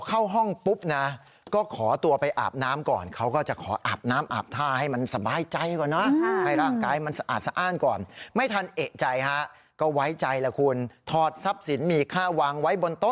เออถูกโฉลกนะไม่ได้ถูกโฉลกนะครับ